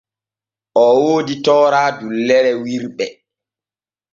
O woodi toora dullere wirɓe.